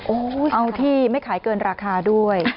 เอาที่ไม่ขายเกินราคาด้วย